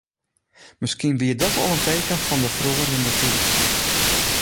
Miskien wie dat al in teken fan de feroarjende tiid.